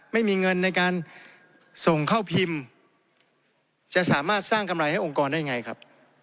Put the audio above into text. ไม่มีเงินในการส่งเข้าพิมพ์จะสามารถสร้างกำไรให้องค์กรได้ไงครับ